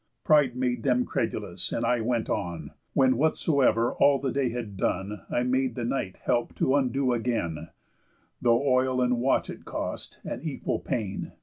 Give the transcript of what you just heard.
Pride made them credulous, and I went on; When whatsoever all the day had done I made the night help to undo again, Though oil and watch it cost, and equal pain.